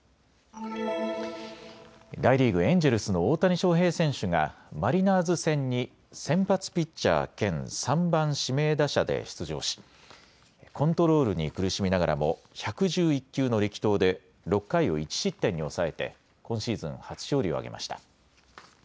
大リーグ、エンジェルスの大谷翔平選手がマリナーズ戦に先発ピッチャー兼３番・指名打者で出場しコントロールに苦しみながらも１１１球の力投で６回を１失点に抑えて今シーズン初勝利を挙げました。